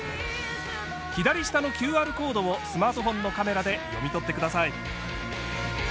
左下のＱＲコードをスマートフォンのカメラで読み取ってください。